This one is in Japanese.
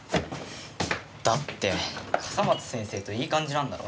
だって笠松先生といい感じなんだろ？